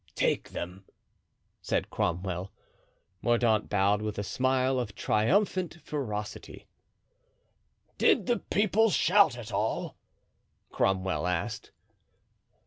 "Take them," said Cromwell. Mordaunt bowed with a smile of triumphant ferocity. "Did the people shout at all?" Cromwell asked.